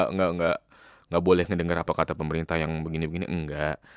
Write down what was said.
makanya lu gak boleh ngedengar apa kata pemerintah yang begini begini enggak